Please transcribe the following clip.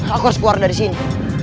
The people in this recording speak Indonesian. aku harus keluar dari sini